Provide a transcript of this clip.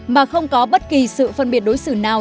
mà không có bất kỳ sự phân biệt đối xử nào